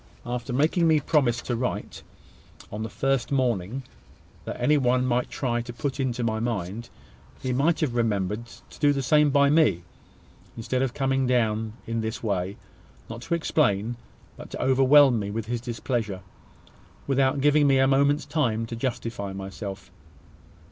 After making me promise to write, on the first doubt that any one might try to put into my mind, he might have remembered to do the same by me, instead of coming down in this way, not to explain, but to overwhelm me with his displeasure, without giving me a moment's time to justify myself.